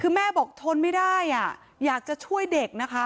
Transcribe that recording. คือแม่บอกทนไม่ได้อยากจะช่วยเด็กนะคะ